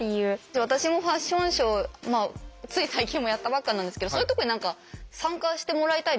じゃあ私もファッションショーつい最近もやったばっかなんですけどそういうとこに何か参加してもらいたいですよねもっと。